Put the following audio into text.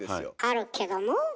あるけども？